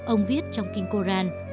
ông viết trong kinh coran